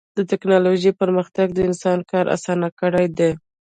د ټکنالوجۍ پرمختګ د انسان کار اسان کړی دی.